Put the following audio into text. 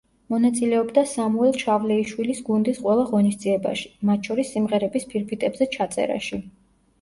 მონაწილეობდა სამუელ ჩავლეიშვილის გუნდის ყველა ღონისძიებაში, მათ შორის სიმღერების ფირფიტებზე ჩაწერაში.